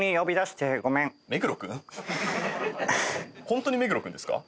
ホントに目黒君ですか？